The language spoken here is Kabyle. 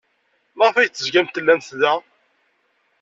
Maɣef ay tezgamt tellamt da?